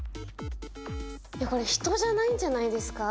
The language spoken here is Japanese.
いやこれ人じゃないんじゃないですか？